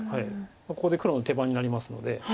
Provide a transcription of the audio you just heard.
ここで黒の手番になりますので。